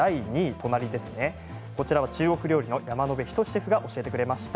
中国料理の山野辺仁シェフが教えてくれました。